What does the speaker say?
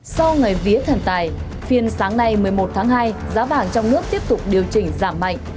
sau ngày vía thần tài phiên sáng nay một mươi một tháng hai giá vàng trong nước tiếp tục điều chỉnh giảm mạnh